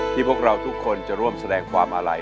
พวกเราทุกคนจะร่วมแสดงความอาลัย